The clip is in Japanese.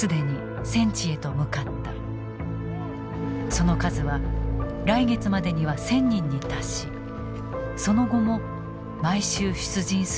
その数は来月までには１，０００人に達しその後も毎週出陣するという。